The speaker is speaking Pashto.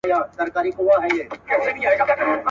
کله کله به یادیږي زما بوډۍ کیسې نیمګړي.